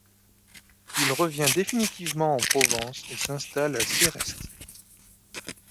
Il revient définitivement en Provence et s'installe à Ceyreste.